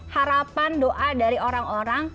harapan doa dari orang orang